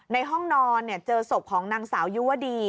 ในห้องนอนเจอศพของนางสาวยุวดี